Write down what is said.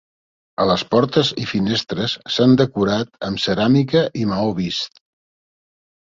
A les portes i finestres s'han decorat amb ceràmica i maó vist.